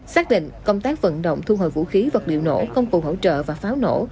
xác định công tác vận động thu hồi vũ khí vật liệu nổ công cụ hỗ trợ và pháo nổ